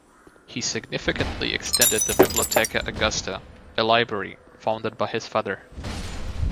He significantly extended the Bibliotheca Augusta, a library founded by his father.